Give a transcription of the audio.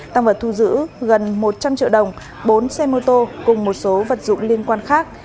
tăng vật thu giữ gần một trăm linh triệu đồng bốn xe mô tô cùng một số vật dụng liên quan khác